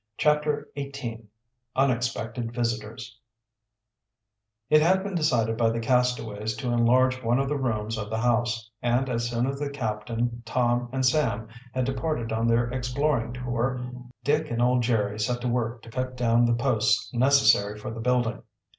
CHAPTER XVIII UNEXPECTED VISITORS It had been decided by the castaways to enlarge one of the rooms of the house, and as soon as the captain, Tom, and Sam had departed on their exploring tour, Dick and old Jerry set to work to cut down the posts necessary for the building.